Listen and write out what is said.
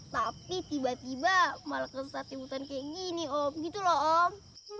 tapi tiba tiba malah tersesat di hutan kayak gini om gitu loh om